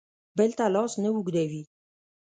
بل ته لاس نه اوږدوي.